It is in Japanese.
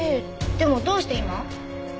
でもどうして今？